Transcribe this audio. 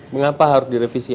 mengapa harus direvisi